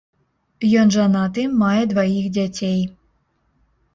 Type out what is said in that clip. Ён жанаты, мае дваіх дзяцей.